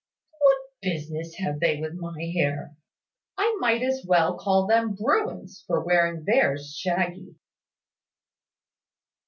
"What business have they with my hair? I might as well call them Bruins for wearing theirs shaggy."